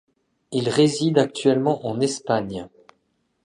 Il réside actuellement en Espagne.